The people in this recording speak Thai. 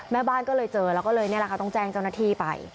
แม่บ้านก็เลยเจอแล้วก็เลยต้องแจ้งเจ้าหน้าที่ไป